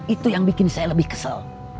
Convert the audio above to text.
itu yang bikin saya lebih kesel